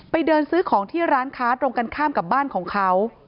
เดินซื้อของที่ร้านค้าตรงกันข้ามกับบ้านของเขา